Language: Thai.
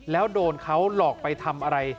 แล้วโดนเขาหลอกไปทำอะไร